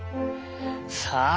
さあ